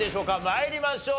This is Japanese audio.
参りましょう。